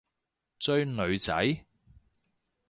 追女仔？